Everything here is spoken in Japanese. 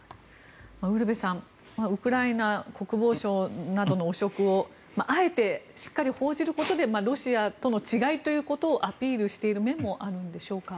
ウルヴェさんウクライナ国防省などの汚職をあえてしっかり報じることでロシアとの違いということをアピールしている面もあるんでしょうか。